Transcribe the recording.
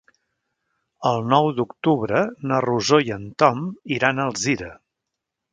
El nou d'octubre na Rosó i en Tom iran a Alzira.